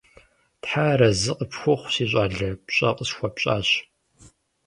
Тхьэр арэзы къыпхухъу, си щӀалэ, пщӀэ къысхуэпщӀащ.